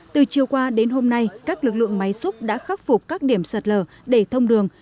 từ chiều qua đến hôm nay các lực lượng máy xúc đã khắc phục các điểm sạt lở để thông đường